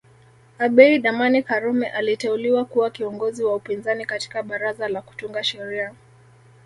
Abeid Amani Karume aliteuliwa kuwa kiongozi wa upinzani katika baraza la kutunga sheria